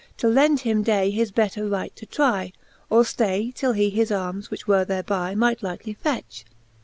To lend him day his better right to trie. Or ftay, till he his armes, which were thereby, Might lightly fetch.